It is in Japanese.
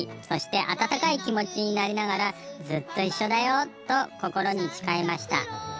そして暖かい気持ちになりながら『ずっといっしょだよ』と心に誓いました。